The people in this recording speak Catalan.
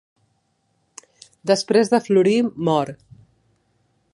Després de florir mor.